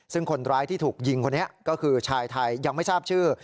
ซึ่งคนร้ายที่ถูกยิงคนนี้ก็คือชายไทยยังไม่ทราบชื่อ